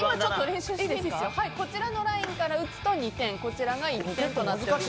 こちらのラインから打つと２点こちらが１点となっています。